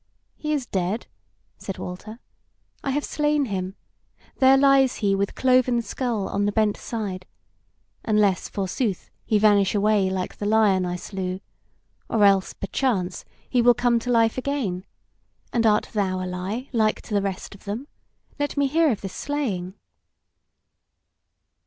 "He is dead," said Walter; "I have slain him; there lies he with cloven skull on the bent side: unless, forsooth, he vanish away like the lion I slew! or else, perchance, he will come to life again! And art thou a lie like to the rest of them? let me hear of this slaying."